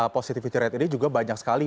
positivity rate ini juga banyak sekali